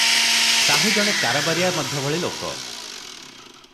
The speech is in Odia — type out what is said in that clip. ସାହୁ ଜଣେ କାରବାରିଆ ମଧ୍ୟଭଳି ଲୋକ ।